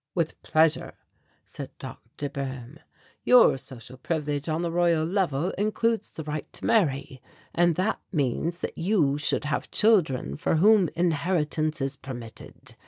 "With pleasure," said Dr. Boehm; "your social privilege on the Royal Level includes the right to marry and that means that you should have children for whom inheritance is permitted.